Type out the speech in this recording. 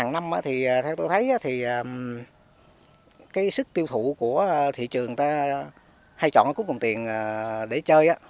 đặc biệt sức tiêu thụ của thị trường hay chọn cút cùng tiền để chơi